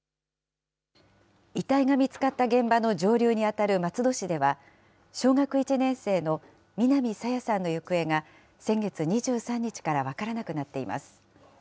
遺体が見つかった現場の上流に当たる松戸市では、小学１年生の南朝芽さんの行方が、先月２３日から分からなくなっています。